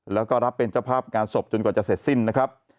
แล้วก็รับเป็นเจ้าภาพงานศพจนกว่าจะเสร็จสิ้นนะครับ